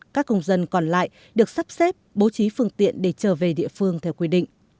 các công dân còn lại được sắp xếp bố trí phương tiện để trở về địa phương theo quy định